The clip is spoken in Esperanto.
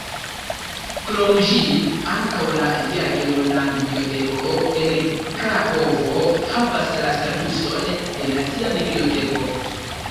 Krom ĝi, ankaŭ la Jagelona Biblioteko en Krakovo havas la statuson de "nacia biblioteko".